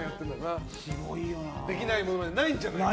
できなものないんじゃないかと。